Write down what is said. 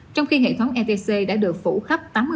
trong khi hệ thống etc đã được phủ khắp